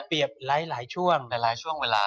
เปรียบหลายช่วงเวลา